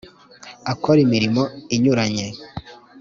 Akora imirimo inyuranye.